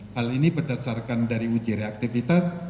hal ini berdasarkan dari uji reaktivitas